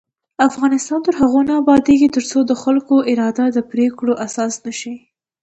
افغانستان تر هغو نه ابادیږي، ترڅو د خلکو اراده د پریکړو اساس نشي.